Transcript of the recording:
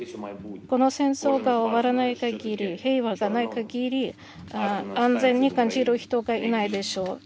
この戦争が終わらない限り平和がないかぎり安全に感じる人がいないでしょう